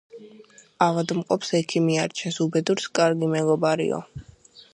ავადმყოფს, ექიმი არჩენს, უბედურს ─ კარგი მეგობარიო.